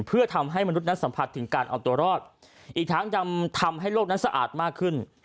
เพื่อทำให้มนุษย์นั้นสัมผัสถึงการเอาตัวรอดอีกทั้งยังทำให้โลกนั้นสะอาดมากขึ้น